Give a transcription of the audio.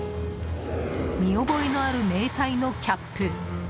見覚えのある迷彩のキャップ。